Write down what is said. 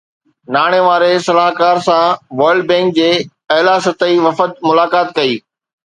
ناڻي واري صلاحڪار سان ورلڊ بينڪ جي اعليٰ سطحي وفد ملاقات ڪئي